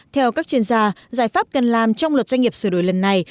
theo các chuyên gia giải pháp cần làm trong luật doanh nghiệp sửa đổi lần này